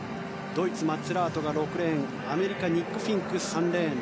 ドイツ、マッツェラートが６レーンアメリカ、ニック・フィンクが３レーン。